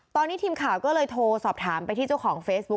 ตอนนี้ทีมข่าวก็เลยโทรสอบถามไปที่เจ้าของเฟซบุ๊ค